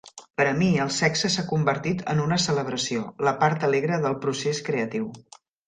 Per a mi, el sexe s'ha convertit en una celebració, la part alegre del procés creatiu.